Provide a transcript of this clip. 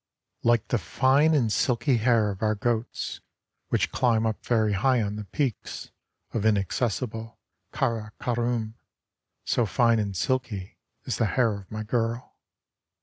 LIKE the fine and silky hair of our goats Which climb up very high on the peaks Of inaccessible Kara'Koroum, So fine and silky is the hair of my girl.